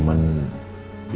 apa yang akan terjadi